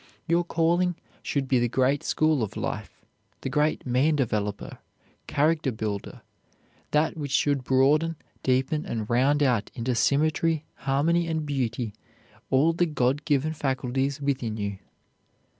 Your calling should be the great school of life, the great man developer, character builder, that which should broaden, deepen, and round out into symmetry, harmony, and beauty, all the God given faculties within you.